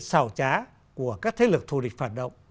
xào trá của các thế lực thù địch phản động